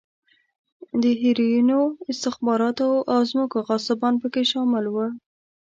د هیروینو، استخباراتو او ځمکو غاصبان په کې شامل و.